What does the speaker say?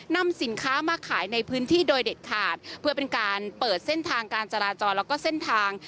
นำสินค้ามาขายในพื้นที่โดยเด็ดขาดเพื่อเป็นการเปิดเส้นทางการจราจรแล้วก็เส้นทาง